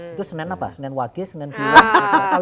itu senin apa senin wakil senin pilihan